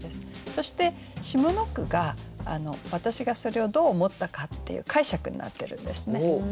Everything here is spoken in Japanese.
そして下の句が私がそれをどう思ったかっていう解釈になってるんですね。